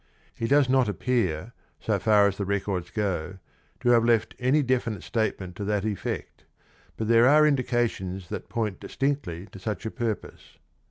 He does not appear, so far as the records go, to have left any definite statement to that effect, but there are indications that point distinctly to such a purpose.